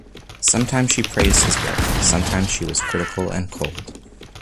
Sometimes she praised his work; sometimes she was critical and cold.